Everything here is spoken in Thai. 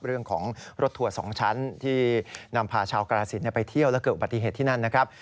เรื่องของรถทัวร์๒ชั้นที่นำพาชาวกรสินไปเที่ยวแล้วเกิดอุบัติเหตุที่นั่นนะครับ